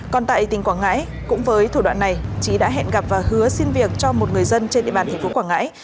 còn tại tỉnh quảng ngãi cũng với thủ đoạn này trí đã hẹn gặp và hứa xin việc cho một người dân trên địa bàn thành phố quảng ngãi